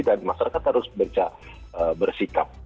dan masyarakat harus beca bersikap